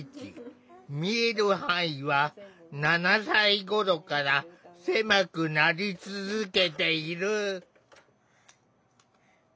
見える範囲は７歳頃から狭くなり続けている。